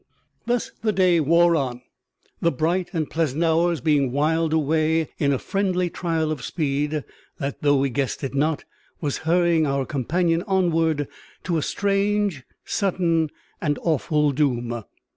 Thus the day wore on, the bright and pleasant hours being whiled away in a friendly trial of speed that, though we guessed it not, was hurrying our companion onward to a strange, sudden, and awful doom.